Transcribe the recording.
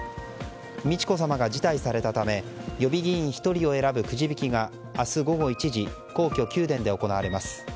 美智子さまが辞退されたため予備議員１人を選ぶくじ引きが明日午後１時皇居・宮殿で行われます。